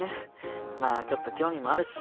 まあちょっと興味もあるし